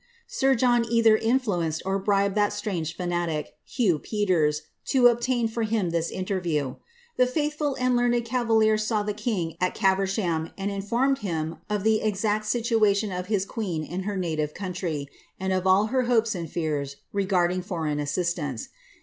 Sir John either in Bnenced or bribed that strange fanatic, Hugh Peters, to obtain for him this interview. The faithful and learned cavalier saw the king at Caver ibam, and informed him of the exact situation of his queen in her native country, and of all her hopes and fears regarding foreign assistance.